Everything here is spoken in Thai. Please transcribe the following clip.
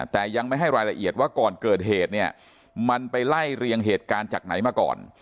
แต่ยังไม่ให้รายละเอียดว่าก่อนเกิดเหตุเนี่ยมันไปไล่เรียงเหตุการณ์จากไหนมาก่อน